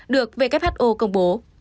được who công bố